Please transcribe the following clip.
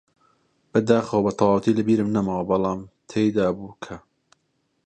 بەداخەوە بەتەواوی لەبیرم نەماوە، بەڵام تێیدابوو کە: